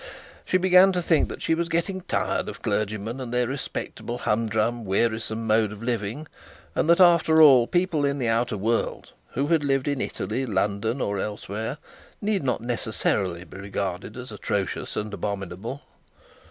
She began to think that she was getting tired of clergymen and their respectable humdrum wearisome mode of living, and that after all, people in the outer world, who had lived in Italy, London, or elsewhere, need not necessarily be regarded as atrocious and abominable.